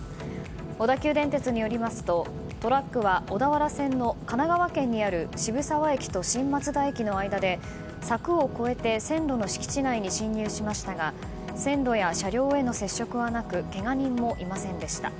小田急電鉄によりますとトラックは、小田原線の神奈川県にある渋沢駅と新松田駅の間で柵を越えて線路の敷地内に進入しましたが線路や車両への接触はなくけが人もいませんでした。